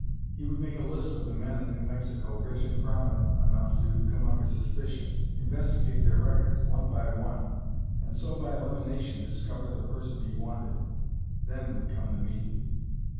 He would make a list of the men in New Mexico rich and prominent enough to come under suspicion, investigate their records, one by one, and so by elimination discover the person he wanted. Then would come the meeting!